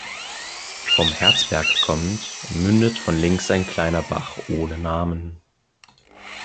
Vom Herzberg kommend mündet von links ein kleiner Bach ohne Namen.